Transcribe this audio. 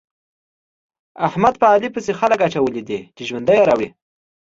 احمد په علي پسې خلګ اچولي دي چې ژوند يې راوړي.